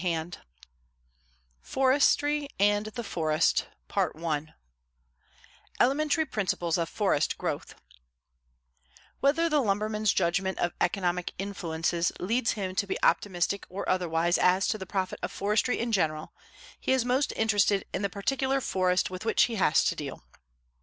CHAPTER III FORESTRY AND THE FOREST ELEMENTARY PRINCIPLES OF FOREST GROWTH Whether the lumberman's judgment of economic influences leads him to be optimistic or otherwise as to the profit of forestry in general, he is most interested in the particular forest with which he has to deal.